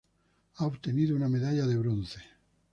Ha obtenido una medalla de bronce.